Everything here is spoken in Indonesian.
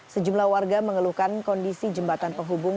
sejumlah warga mengeluhkan kondisi jembatan penghubung